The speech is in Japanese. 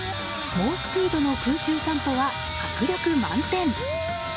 猛スピードの空中散歩は迫力満点。